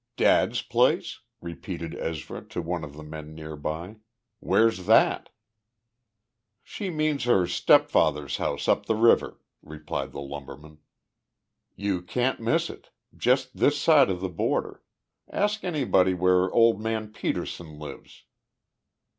"Dad's place?" repeated Ezra to one of the men near by. "Where's that?" "She means her stepfather's house up the river," replied the lumberman. "You can't miss it. Just this side the border. Ask anybody where Old Man Petersen lives."